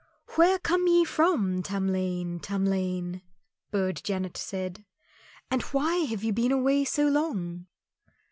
"Where come ye from, Tamlane, Tamlane?" Burd Janet said; "and why have you been away so long?"